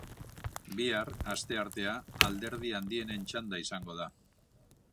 Bihar, asteartea, alderdi handienen txanda izango da.